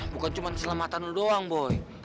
bukan cuma keselamatan doang boy